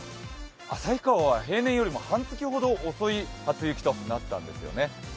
旭川は平年よりも半月ほど遅い初雪となったんですよね。